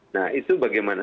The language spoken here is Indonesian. nah itu bagaimana